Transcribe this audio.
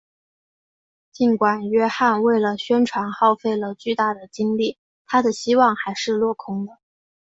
尽管约翰为了宣传耗费了巨大的精力他的希望还是落空了。